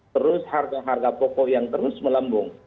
terus harga harga pokok yang terus melambung